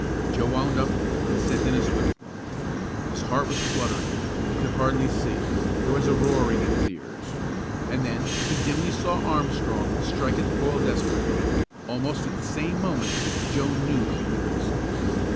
Joe wound up, and sent in a swift one. His heart was fluttering, he could hardly see, there was a roaring in his ears. And then he dimly saw Armstrong strike at the ball desperately. Almost at the same moment Joe knew he would miss it.